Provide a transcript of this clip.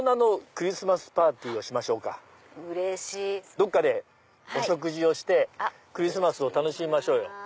どっかでお食事をしてクリスマスを楽しみましょうよ。